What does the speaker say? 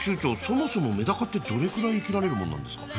そもそもメダカってどれくらい生きられるもんなんですか？